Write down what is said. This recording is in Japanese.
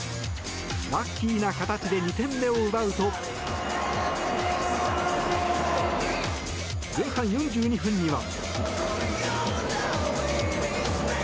ラッキーな形で２点目を奪うと前半４２分には。